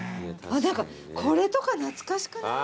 あっ何かこれとか懐かしくない？